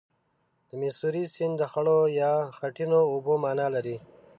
د میسوری سیند د خړو یا خټینو اوبو معنا لري.